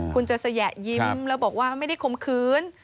คุณจะแยะยิ้มแล้วบอกว่าไม่ได้คมคืน